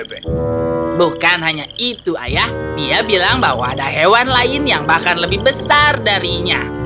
bukan hanya itu ayah dia bilang bahwa ada hewan lain yang bahkan lebih besar darinya